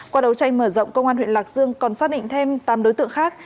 qua đấu tranh mở rộng công an huyện lạc dương còn xác định thêm tám đối tượng khác